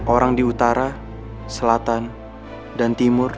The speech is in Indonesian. orang di utara selatan dan timur